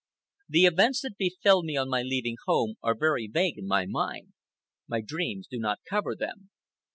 The events that befell me on my leaving home are very vague in my mind. My dreams do not cover them.